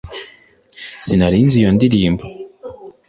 sinari nzi iyo ndirimbo